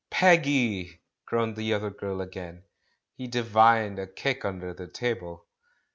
"Peggy!" groaned the other girl again. He divined a kick under the table.